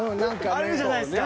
あるじゃないですか。